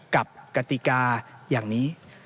กติกาอย่างนี้